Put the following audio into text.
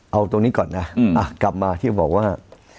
เอาตรงนี้ก่อนนะกลับมาที่บอกว่า